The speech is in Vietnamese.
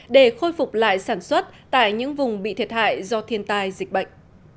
để khôi phục lại sản xuất tại những vùng bị thiệt hại do thiên tai dịch bệnh